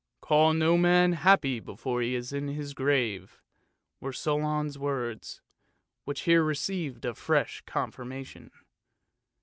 " Call no man happy before he is in his grave," were Solon's words, which here received a fresh confirmation.